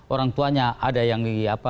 orang tuanya ada yang